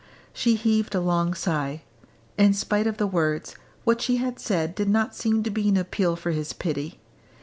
She heaved a long sigh. In spite of the words, what she had said did not seem to be an appeal for his pity.